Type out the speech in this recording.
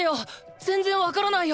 全然わからないよ！